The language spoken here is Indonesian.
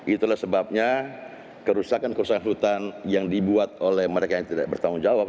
itulah sebabnya kerusakan kerusakan hutan yang dibuat oleh mereka yang tidak bertanggung jawab